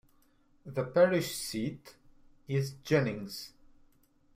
The parish seat is Jennings.